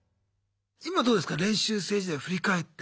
今どうですか練習生時代振り返って。